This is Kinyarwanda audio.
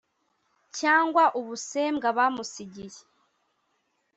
cyangwa ubusembwa bamusigiye